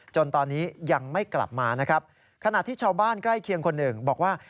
จนตอนนี้ยังไม่กลับมานะครับขณะที่ชาวบ้านใกล้เคียงคนหนึ่งบอกว่า